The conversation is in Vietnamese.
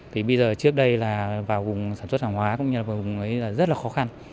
thì bây giờ trước đây là vào vùng sản xuất hàng hóa cũng như là vào vùng ấy là rất là khó khăn